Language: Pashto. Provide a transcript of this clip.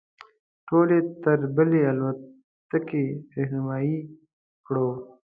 ټول یې تر بلې الوتکې رهنمایي کړو.